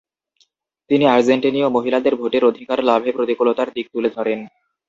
তিনি আর্জেন্টেনীয় মহিলাদের ভোটের অধিকার লাভে প্রতিকূলতার দিক তুলে ধরেন।